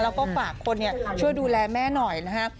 แล้วก็ฝากคนช่วยดูแลแม่หน่อยนะฮะ